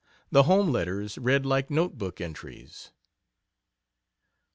The home letters read like notebook entries.